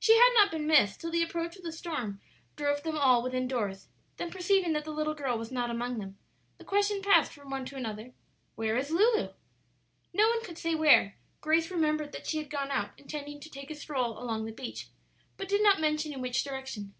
She had not been missed till the approach of the storm drove them all within doors; then perceiving that the little girl was not among them, the question passed from one to another, "Where is Lulu?" No one could say where; Grace remembered that she had gone out intending to take a stroll along the beach, but did not mention in which direction.